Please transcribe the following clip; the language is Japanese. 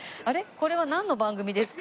これはなんの番組ですか？